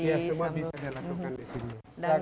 ya semua bisa dilakukan di sini